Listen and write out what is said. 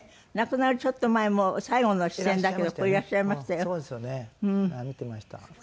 亡くなるちょっと前も最後の出演だけどここへいらっしゃいましたよ。